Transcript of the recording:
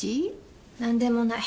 何でもない。